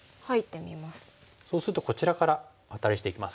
そうするとこちらからアタリしていきます。